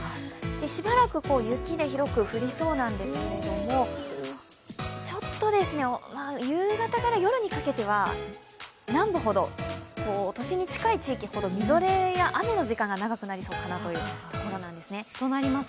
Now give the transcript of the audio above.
しばらく雪で広く降りそうなんですけれどもちょっと夕方から夜にかけては南部ほど都心に近い地域ほど、みぞれや雨の時間が長くなりそうだなという感じですね。